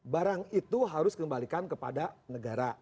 barang itu harus kembalikan kepada negara